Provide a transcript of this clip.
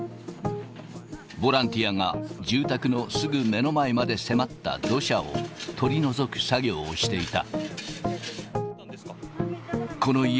ボランティアが住宅のすぐ目の前まで迫った土砂を取り除く作業をしていた。